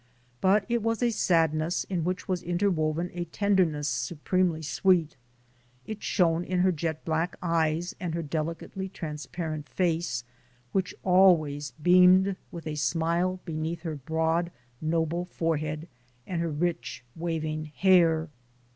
But it was a sadness in which was interwoven a tenderness su premely sweet; it shone in her jet black eyes and her delicately transparent face, which always beamed with a smile beneath her broad, noble forehead and her rich waving hair.